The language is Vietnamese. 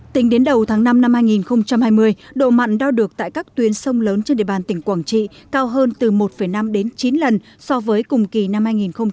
tính đến đầu tháng năm năm hai nghìn hai mươi độ mặn đo được tại các tuyến sông lớn trên địa bàn tỉnh quảng trị cao hơn từ một năm đến chín lần so với cùng kỳ năm hai nghìn một mươi chín